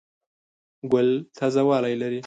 ګل تازه والی لري.